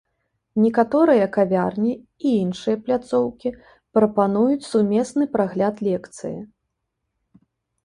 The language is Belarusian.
Некаторыя кавярні і іншыя пляцоўкі прапануюць сумесны прагляд лекцыі.